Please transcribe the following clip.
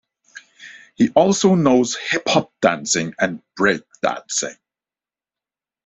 He also knows hip-hop dancing and breakdancing.